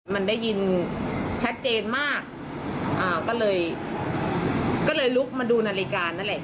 มันได้ยินชัดเจนมากอ่าก็เลยก็เลยลุกมาดูนาฬิกานั่นแหละ